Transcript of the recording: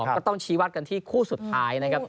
ก็ต้องชี้วัดกันที่คู่สุดท้ายนะครับ